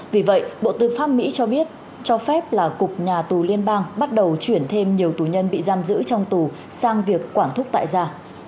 vì vậy bộ tư pháp mỹ cho biết cho phép là cục nhà tù liên bang bắt đầu chuyển thêm nhiều tù nhân bị giam giữ trong tù sang việc quản thúc tại gia